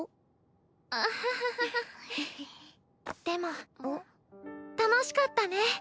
でも楽しかったね。